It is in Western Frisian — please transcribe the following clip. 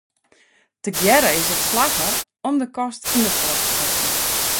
Tegearre is it slagge om de kast yn inoar te setten.